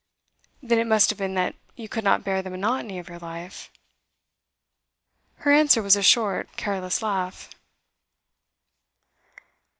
'Then it must have been that you could not bear the monotony of your life.' Her answer was a short, careless laugh.